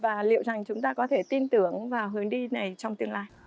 và liệu rằng chúng ta có thể tin tưởng vào hướng đi này trong tương lai